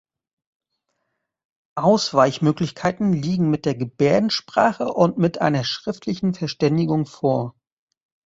Ausweichmöglichkeiten liegen mit der Gebärdensprache und mit einer schriftlichen Verständigung vor.